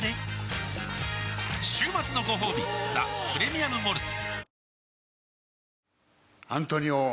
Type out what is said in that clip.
週末のごほうび「ザ・プレミアム・モルツ」